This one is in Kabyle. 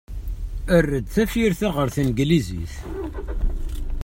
Err-d tafyirt-a ɣer tneglizit.